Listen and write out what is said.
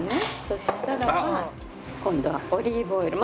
そしたらば今度はオリーブオイル。